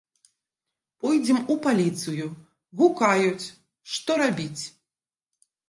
Пойдзем у паліцыю; гукаюць, што рабіць…